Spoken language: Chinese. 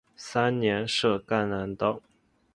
三年设赣南道。